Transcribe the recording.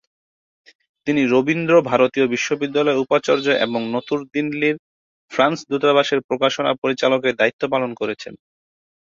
তিনি রবীন্দ্র ভারতী বিশ্ববিদ্যালয়ের উপাচার্য এবং নতুন দিল্লির ফ্রান্স দূতাবাসের প্রকাশনা পরিচালকের দায়িত্ব পালন করেছেন।